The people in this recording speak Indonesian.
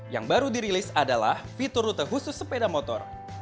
yang baru dirilis adalah fitur rute khusus sepeda motor